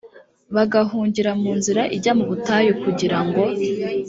bagahungira mu nzira ijya mu butayu kugira ngo